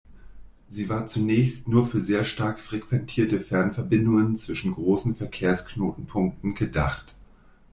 Sie war zunächst nur für sehr stark frequentierte Fernverbindungen zwischen großen Verkehrsknotenpunkten gedacht.